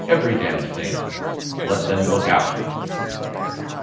Every damned thing. Let them look out!"